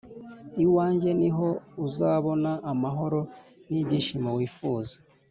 iwanjye niho uzabona amahoro n’ibyishimo wifuza.